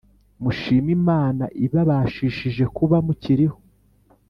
Mushime Imana ibabashishe kuba mukiriho